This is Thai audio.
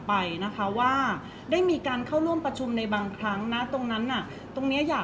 เพราะว่าสิ่งเหล่านี้มันเป็นสิ่งที่ไม่มีพยาน